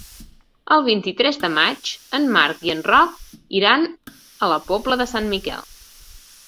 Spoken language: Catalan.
El vint-i-tres de maig en Marc i en Roc iran a la Pobla de Sant Miquel.